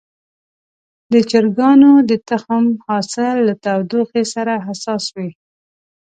د چرګانو د تخم حاصل له تودوخې سره حساس وي.